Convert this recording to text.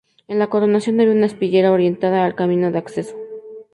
En la coronación había una aspillera orientada al camino de acceso.